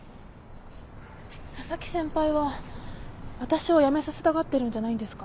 紗崎先輩は私を辞めさせたがってるんじゃないんですか？